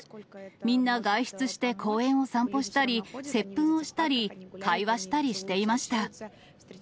みんな、外出して公園を散歩したり、せっぷんをしたり、会話したりしていました。